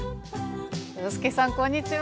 洋輔さんこんにちは。